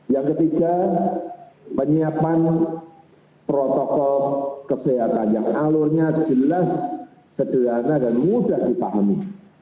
yang ketiga penyiapan protokol kesehatan yang alurnya jelas sederhana dan mudah dipahami